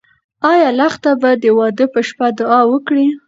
ایا لښته به د واده په شپه دعا وکړي؟